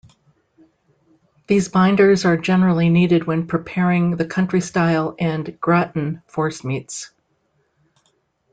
These binders are generally needed when preparing the country-style and "gratin" forcemeats.